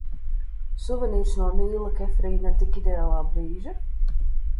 Suvenīrs no Nīla Kefrija ne tik ideālā brīža?